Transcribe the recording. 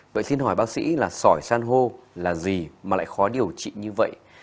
vậy xin hỏi bác sĩ là sỏi san hô là gì mà lại khó điều trị như vậy